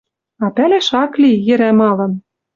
А пӓлӓш ак ли, йӹрӓ малын.